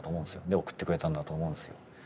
で送ってくれたんだと思うんですよ。